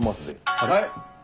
はい！